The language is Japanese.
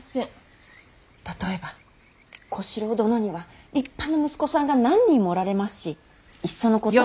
例えば小四郎殿には立派な息子さんが何人もおられますしいっそのこと。